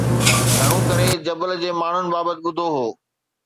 گهڻو ڪري جبل جي ماڻهن بابت ٻڌو هو